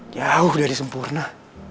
jauh dari sempurna